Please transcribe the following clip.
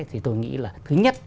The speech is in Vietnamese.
thì tôi nghĩ là thứ nhất